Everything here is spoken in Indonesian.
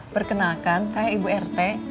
perkenalkan saya ibu rt